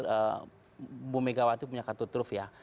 ibu megawati punya kartu truf ya